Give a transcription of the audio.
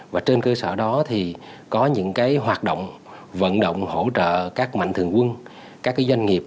và trên cơ sở đó thì có những hoạt động vận động hỗ trợ các mạnh thường quân các doanh nghiệp